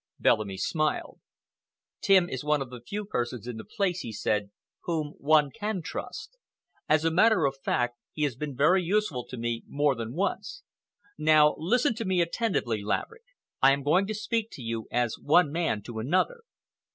Bellamy smiled. "Tim is one of the few persons in the place," he said, "whom one can trust. As a matter of fact, he has been very useful to me more than once. Now listen to me attentively, Laverick. I am going to speak to you as one man to another."